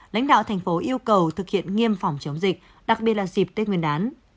lãnh đạo thành phố yêu cầu thực hiện nghiêm phòng chống dịch đặc biệt là dịp tết nguyên đán